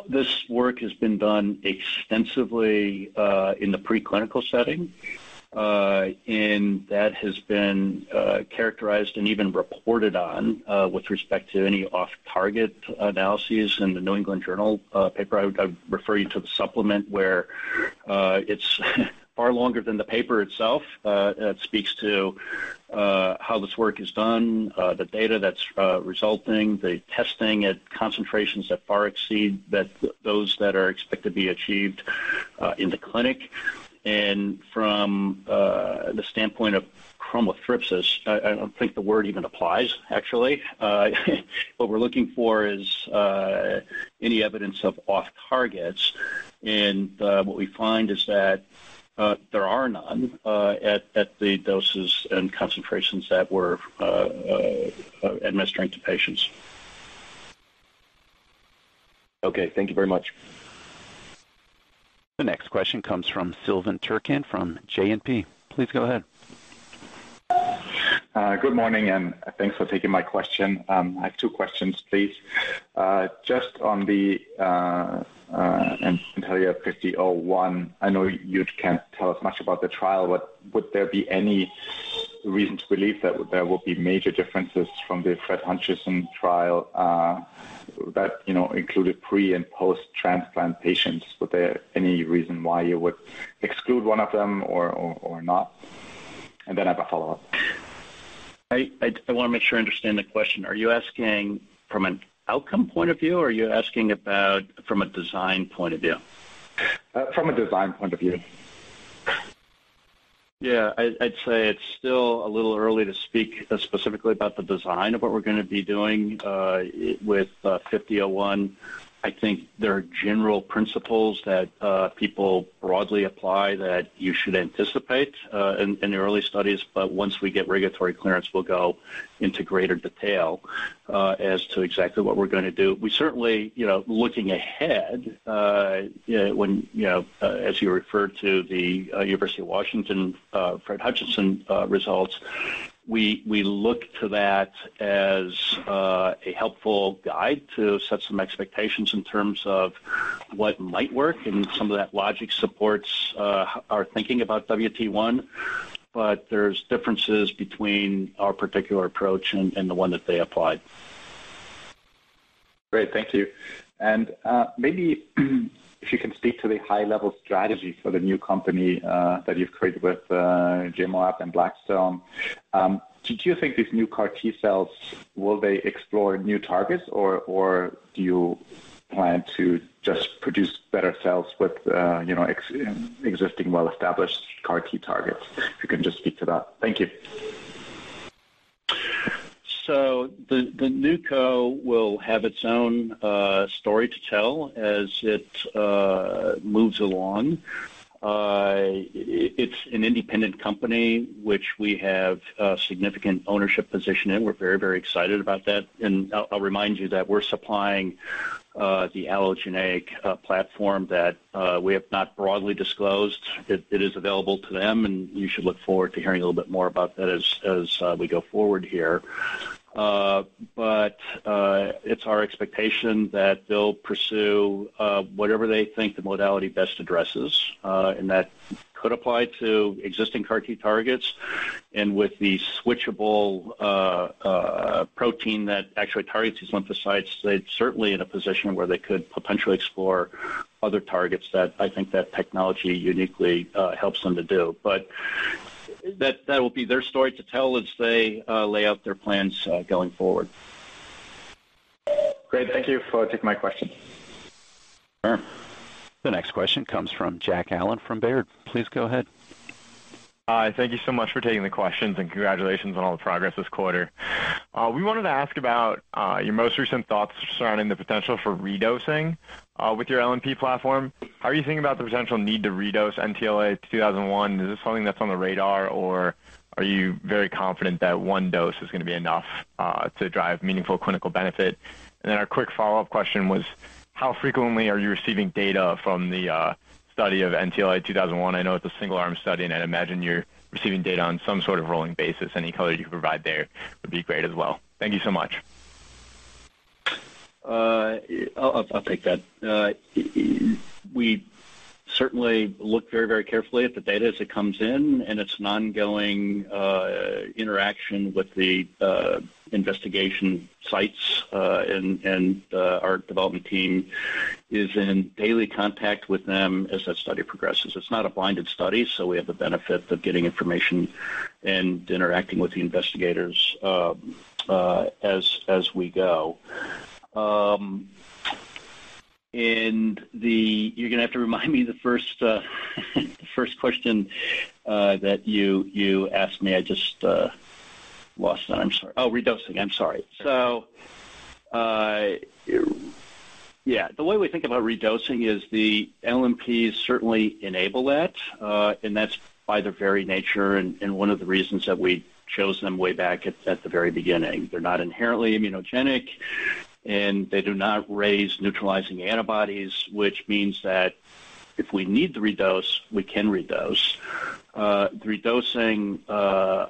This work has been done extensively in the preclinical setting, and that has been characterized and even reported on with respect to any off-target analyses in the New England Journal paper. I would refer you to the supplement where it's far longer than the paper itself. It speaks to how this work is done, the data that's resulting, the testing at concentrations that far exceed those that are expected to be achieved in the clinic. From the standpoint of chromothripsis, I don't think the word even applies, actually. What we're looking for is any evidence of off targets, and what we find is that there are none at the doses and concentrations that we're administering to patients. Okay, thank you very much. The next question comes from Silvan Türkcan from JMP. Please go ahead. Good morning. Thanks for taking my question. I have two questions, please. Just on the NTLA-5001, I know you can't tell us much about the trial, but would there be any reason to believe that there will be major differences from the Fred Hutchinson trial that included pre- and post-transplant patients? Would there be any reason why you would exclude one of them or not? Then I have a follow-up. I want to make sure I understand the question. Are you asking from an outcome point of view, or are you asking about from a design point of view? From a design point of view. Yeah, I'd say it's still a little early to speak specifically about the design of what we're going to be doing with 5001. I think there are general principles that people broadly apply that you should anticipate in the early studies. But once we get regulatory clearance, we'll go into greater detail as to exactly what we're going to do. We certainly, looking ahead, as you refer to the University of Washington Fred Hutchinson results, we look to that as a helpful guide to set some expectations in terms of what might work, and some of that logic supports our thinking about WT1, but there's differences between our particular approach and the one that they applied. Great, thank you. Maybe if you can speak to the high-level strategy for the new company that you've created with GEMoaB and Blackstone. Do you think these new CAR T-cells, will they explore new targets or do you plan to just produce better cells with existing well-established CAR T targets. If you can just speak to that. Thank you. The NewCo will have its own story to tell as it moves along. It's an independent company which we have a significant ownership position in. We're very excited about that. I'll remind you that we're supplying the allogeneic platform that we have not broadly disclosed. It is available to them, and you should look forward to hearing a little bit more about that as we go forward here. It's our expectation that they'll pursue whatever they think the modality best addresses, and that could apply to existing CAR T targets. With the switchable protein that actually targets these lymphocytes, they're certainly in a position where they could potentially explore other targets that I think that technology uniquely helps them to do. That will be their story to tell as they lay out their plans going forward. Great. Thank you for taking my question. Sure. The next question comes from Jack Allen from Baird. Please go ahead. Hi. Thank you so much for taking the questions. Congratulations on all the progress this quarter. We wanted to ask about your most recent thoughts surrounding the potential for redosing with your LNP platform. How are you thinking about the potential need to redose NTLA-2001? Is this something that's on the radar, or are you very confident that one dose is going to be enough to drive meaningful clinical benefit? Our quick follow-up question was, how frequently are you receiving data from the study of NTLA-2001? I know it's a single-arm study, and I'd imagine you're receiving data on some sort of rolling basis. Any color you could provide there would be great as well. Thank you so much. I'll take that. We certainly look very carefully at the data as it comes in. It's an ongoing interaction with the investigation sites. Our development team is in daily contact with them as that study progresses. It's not a blinded study. We have the benefit of getting information and interacting with the investigators as we go. You're going to have to remind me the first question that you asked me. I just lost that. I'm sorry. Oh, redosing. I'm sorry. Yeah, the way we think about redosing is the LNPs certainly enable that. That's by their very nature and one of the reasons that we chose them way back at the very beginning. They're not inherently immunogenic. They do not raise neutralizing antibodies, which means that if we need to redose, we can redose. The redosing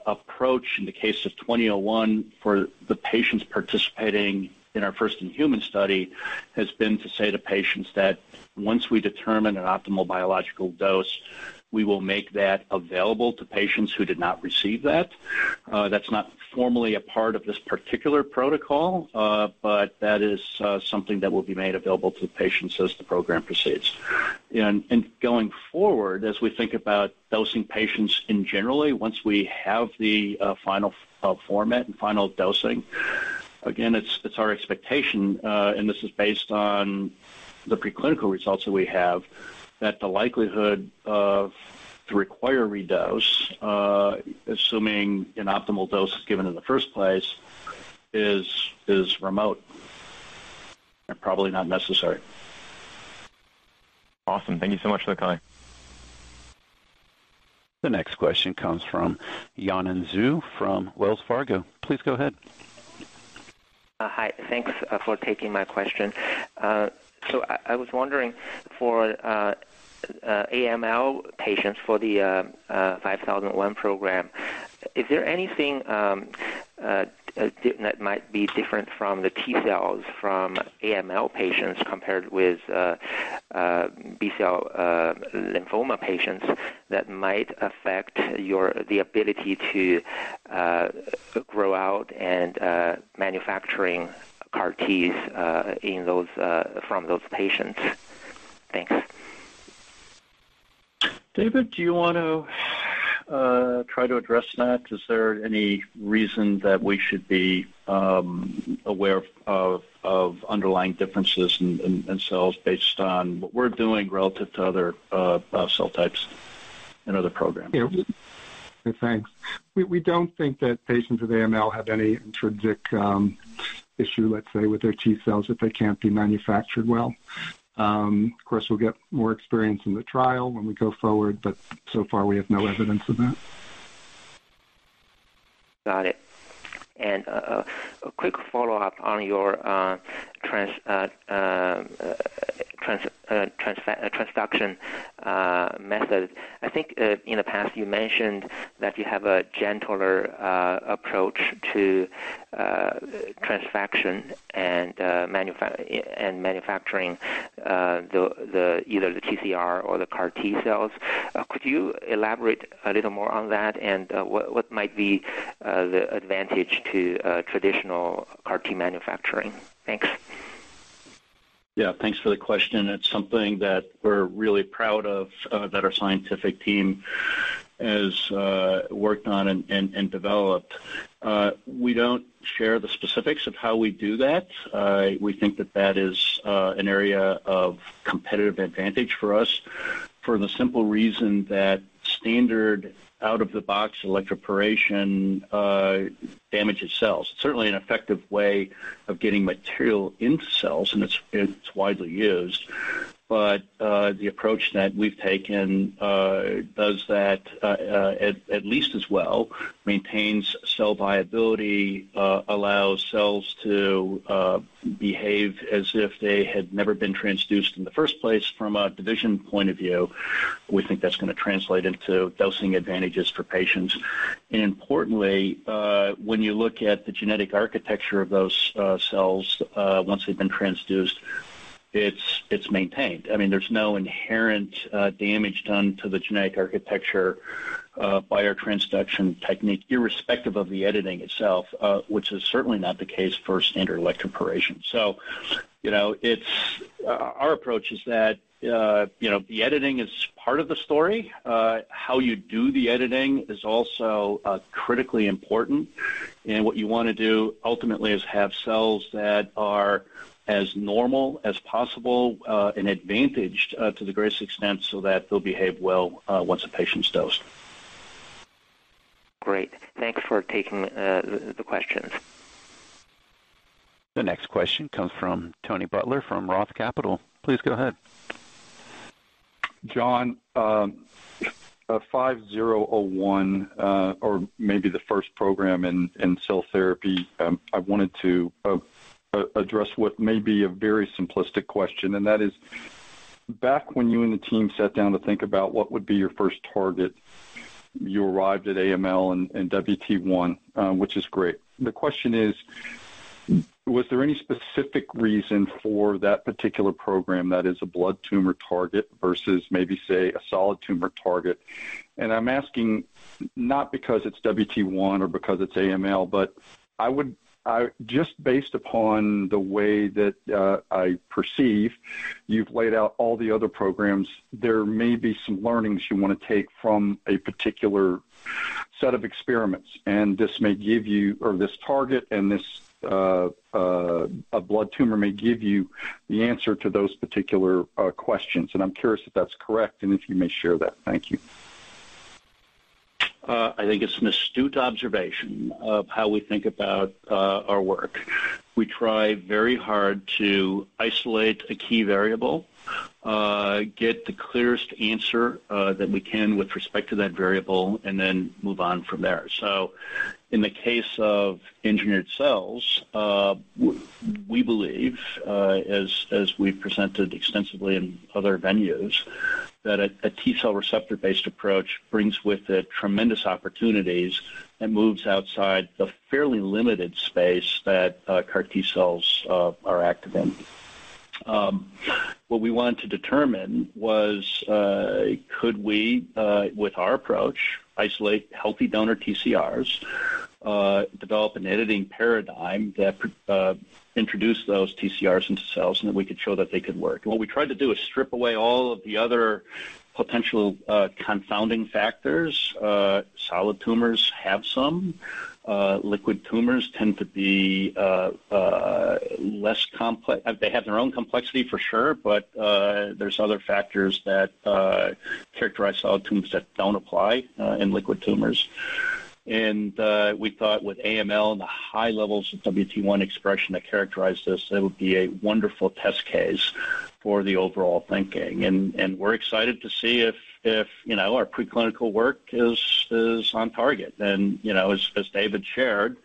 approach in the case of NTLA-2001 for the patients participating in our first human study, has been to say to patients that once we determine an optimal biological dose, we will make that available to patients who did not receive that. That's not formally a part of this particular protocol, but that is something that will be made available to patients as the program proceeds. Going forward, as we think about dosing patients in generally, once we have the final format and final dosing, again, it's our expectation, and this is based on the preclinical results that we have, that the likelihood of to require redose, assuming an optimal dose is given in the first place, is remote and probably not necessary. Awesome. Thank you so much for the call. The next question comes from Yanan Zhu from Wells Fargo. Please go ahead. Hi. Thanks for taking my question. I was wondering, for AML patients for the 5001 program, is there anything that might be different from the T-cells from AML patients compared with B-cell lymphoma patients that might affect the ability to grow out and manufacturing CAR Ts from those patients? Thanks. David, do you want to try to address that? Is there any reason that we should be aware of underlying differences in cells based on what we're doing relative to other cell types in other programs? Yeah. Thanks. We don't think that patients with AML have any intrinsic issue, let's say, with their T-cells, that they can't be manufactured well. Of course, we'll get more experience in the trial when we go forward, but so far, we have no evidence of that. Got it. A quick follow-up on your transduction method. I think in the past, you mentioned that you have a gentler approach to transfection and manufacturing either the TCR or the CAR T-cells. Could you elaborate a little more on that, and what might be the advantage to traditional CAR T manufacturing? Thanks. Yeah, thanks for the question. It's something that we're really proud of, that our scientific team has worked on and developed. We don't share the specifics of how we do that. We think that that is an area of competitive advantage for us for the simple reason that standard out-of-the-box electroporation damages cells. It's certainly an effective way of getting material into cells, and it's widely used. The approach that we've taken does that at least as well, maintains cell viability, allows cells to behave as if they had never been transduced in the first place from a division point of view. We think that's going to translate into dosing advantages for patients. Importantly, when you look at the genetic architecture of those cells, once they've been transduced, it's maintained. There's no inherent damage done to the genetic architecture by our transduction technique, irrespective of the editing itself, which is certainly not the case for standard electroporation. Our approach is that the editing is part of the story. How you do the editing is also critically important, and what you want to do ultimately is have cells that are as normal as possible and advantaged to the greatest extent so that they'll behave well once a patient's dosed. Great. Thanks for taking the questions. The next question comes from Tony Butler from Roth Capital. Please go ahead. John, 5001, or maybe the first program in cell therapy, I wanted to address what may be a very simplistic question, and that is, back when you and the team sat down to think about what would be your first target, you arrived at AML and WT1, which is great. The question is, was there any specific reason for that particular program that is a blood tumor target versus maybe, say, a solid tumor target? I'm asking not because it's WT1 or because it's AML, but just based upon the way that I perceive you've laid out all the other programs, there may be some learnings you want to take from a particular set of experiments, and this target and this blood tumor may give you the answer to those particular questions. I'm curious if that's correct and if you may share that. Thank you. I think it's an astute observation of how we think about our work. We try very hard to isolate a key variable, get the clearest answer that we can with respect to that variable, and then move on from there. In the case of engineered cells, we believe, as we've presented extensively in other venues, that a T-cell receptor-based approach brings with it tremendous opportunities and moves outside the fairly limited space that CAR T-cells are active in. What we wanted to determine was could we, with our approach, isolate healthy donor TCRs, develop an editing paradigm that introduced those TCRs into cells, and that we could show that they could work. What we tried to do is strip away all of the other potential confounding factors. Solid tumors have some. Liquid tumors tend to be less complex. They have their own complexity for sure, there's other factors that characterize solid tumors that don't apply in liquid tumors. We thought with AML and the high levels of WT1 expression that characterize this, it would be a wonderful test case for the overall thinking. We're excited to see if our preclinical work is on target. As David shared,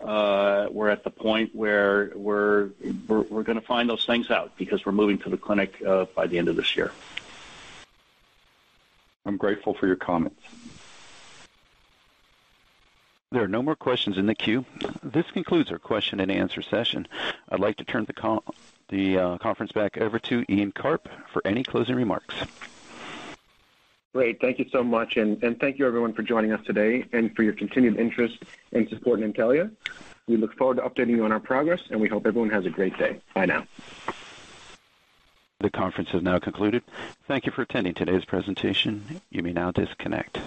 we're at the point where we're going to find those things out because we're moving to the clinic by the end of this year. I'm grateful for your comments. There are no more questions in the queue. This concludes our question and answer session. I'd like to turn the conference back over to Ian Karp for any closing remarks. Great. Thank you so much, and thank you everyone for joining us today and for your continued interest and support in Intellia. We look forward to updating you on our progress, and we hope everyone has a great day. Bye now. The conference has now concluded. Thank you for attending today's presentation. You may now disconnect.